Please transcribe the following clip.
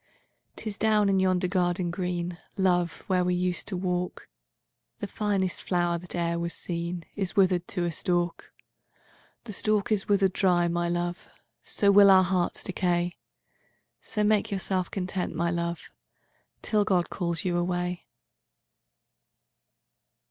VI''Tis down in yonder garden green, Love, where we used to walk, The finest flower that ere was seenIs wither'd to a stalk. VII'The stalk is wither'd dry, my love, So will our hearts decay; So make yourself content, my love, Till God calls you away.